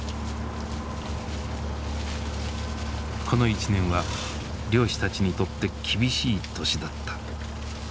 この１年は漁師たちにとって厳しい年だった。